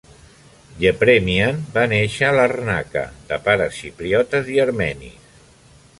Yepremian va néixer a Larnaca, de pares xipriotes i armenis.